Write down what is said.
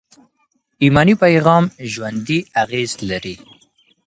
ایماني پیغام ژوندي اغېز لري.